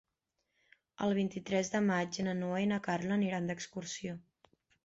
El vint-i-tres de maig na Noa i na Carla aniran d'excursió.